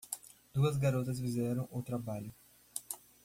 Duas garotas fizeram o trabalho.